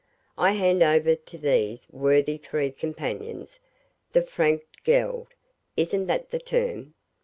'I hand over to these worthy free companions the frank geld; isn't that the term?